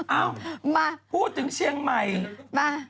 เอ้ามาพูดถึงเชียงใหม่มา